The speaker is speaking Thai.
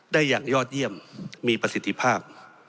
ได้อย่างยอดเยี่ยมมีประสิทธิภาพ